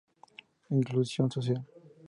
Inclusión social